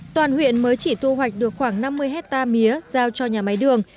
toàn huyện mới chỉ thu hoạch được khoảng năm mươi hectare mía giao cho nhà máy đường